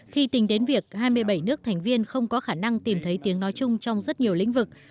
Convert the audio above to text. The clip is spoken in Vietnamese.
khi tính đến việc hai mươi bảy nước thành viên không có khả năng tìm thấy tiếng nói chung trong rất nhiều lĩnh vực